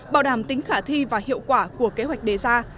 bảo đảm tính khả thi và hiệu quả của kế hoạch đề ra